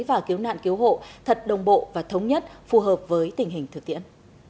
và cứu nạn cứu hộ thật đồng bộ và thống nhất phù hợp với tình hình thực tiễn